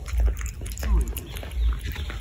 Ttun.